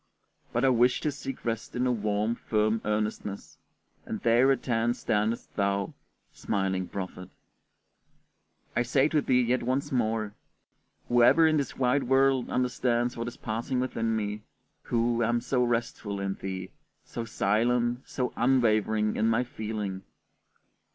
But I wish to seek rest in a warm, firm earnestness, and there at hand standest thou, smiling prophet! I say to thee yet once more: Whoever in this wide world understands what is passing within me, who, am so restful in thee, so silent, so unwavering in my feeling?